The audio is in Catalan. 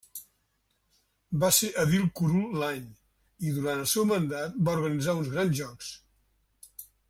Va ser edil curul l'any i durant el seu mandat va organitzar uns grans jocs.